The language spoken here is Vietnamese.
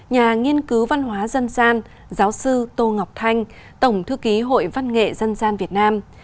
nhà nghiên cứu văn hóa dân gian giáo sư tô ngọc thanh tổng thư ký hội văn nghệ dân gian việt nam